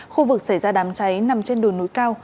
khu vực xảy ra đám cháy nằm trên đồi núi cao